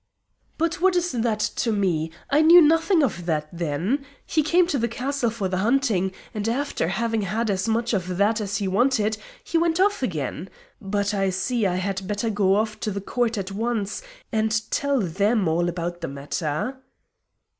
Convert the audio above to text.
"But what is that to me? I knew nothing of that then. He came to the castle for the hunting, and after having had as much of that as he wanted he went off again. But I see I had better go off to the Court at once and tell them all about the matter."